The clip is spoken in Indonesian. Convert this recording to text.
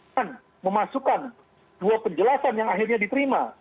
memasukkan dua penjelasan yang akhirnya diterima